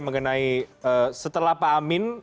mengenai setelah pak amin